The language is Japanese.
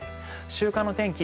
週間の天気